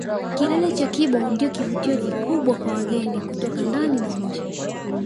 Kilele cha Kibo ndio kivutio kikubwa kwa wageni kutoka ndani na nje